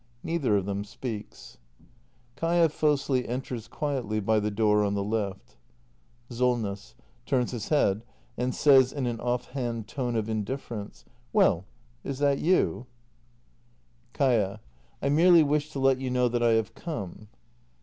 Neither of them speaks. Kaia Fosli enters quietly by the door on the left. Solness. [ Turns his head, and says in an off hand tone of indif ference.] Well, is that you ? 319 320 THE MASTER BUILDER [act ii Kaia. I merely wished to let you know that I have come.